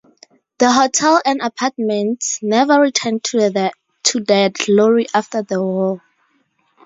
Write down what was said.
The hotel and apartments never returned to their glory after the war.